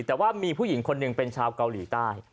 แต่ว่ามีผู้หญิงคนหนึ่งเป็นชาวเกาหลีใต้